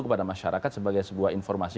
kepada masyarakat sebagai sebuah informasi